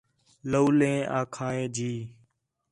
لَولیں آکھا ہے جی